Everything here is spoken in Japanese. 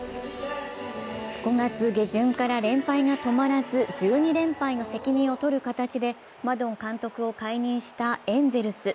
５月下旬から連敗が止まらず１２連敗の責任を取る形でマドン監督を解任したエンゼルス。